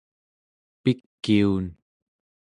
pikiun